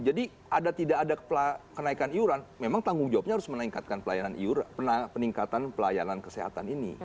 jadi ada tidak ada kenaikan iuran memang tanggung jawabnya harus meningkatkan pelayanan kesehatan ini